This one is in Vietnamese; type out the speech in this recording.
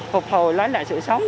phục hồi lấy lại sự sống